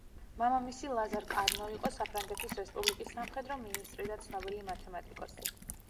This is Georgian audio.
მამამისი ლაზარ კარნო იყო საფრანგეთის რესპუბლიკის სამხედრო მინისტრი და ცნობილი მათემატიკოსი.